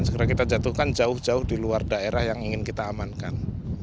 segera kita jatuhkan jauh jauh di luar daerah yang ingin kita amankan